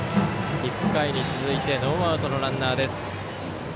１回に続いてノーアウトのランナーです。